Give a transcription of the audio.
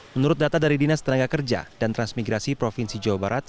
menurut data dari dinas tenaga kerja dan transmigrasi provinsi jawa barat